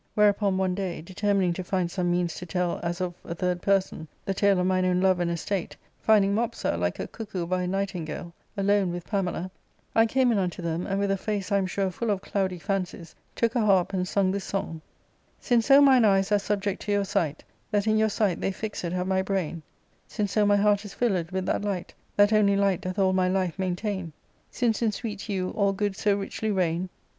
"" Whereupon one day, determining to find some means to tell, as of a tJiird person, the tale of mine own love and estate, finding Mopsa, like a cuckoo by a nightingale, alone with Pamela, I came in unto them, and with a face, I am sure, full of cloudy fancies, took a harp and sung this song :—Since so mine eyes are subject to your sight, That in your sight they fixed have my brain ; Since so my heart is filled with that light, That only light doth all my life maintain ;Since in sweet you all goods so richly reign.